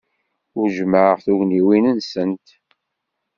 Ur jemmɛeɣ tugniwin-nsent.